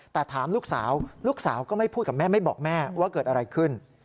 แต่ถามลูกสาวลูกสาวก็ไม่พูดกับแม่ไม่บอกแม่ว่าเกิดอะไรขึ้น